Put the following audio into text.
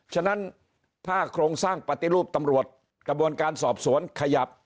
ฉะนั้นถ้าโครงสร้างปฏิรูปตำรวจกระบวนการสอบสวนขยับ